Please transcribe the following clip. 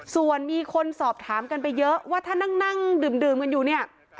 ส่วนมีคนสอบถามกันไปเยอะว่าถ้านั่งดื่มกันอยู่เนี่ย